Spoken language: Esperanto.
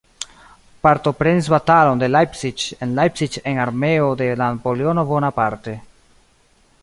Partoprenis batalon de Leipzig en Leipzig en armeo de Napoleono Bonaparte.